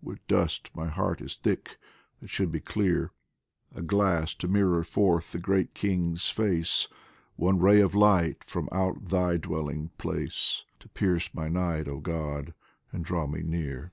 With dust my heart is thick, that should be clear, A glass to mirror forth the Great King's face ; One ray of light from out Thy dwelling place To pierce my night, oh God ! and draw me near.